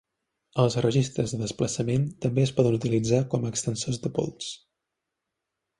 Els registres de desplaçament també es poden utilitzar com a extensors de pols.